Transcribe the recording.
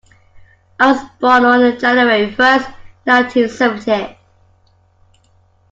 I was born on January first, nineteen seventy.